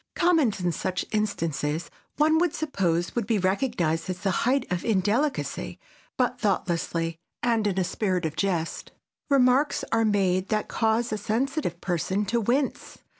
Comment in such instances one would suppose would be recognized as the height of indelicacy, but thoughtlessly, and in a spirit of jest, remarks are made that cause a sensitive person to wince.